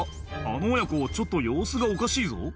あの親子ちょっと様子がおかしいぞ」